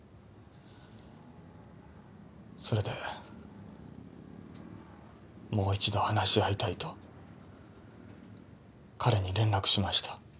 それでもう一度話し合いたいと彼に連絡しました。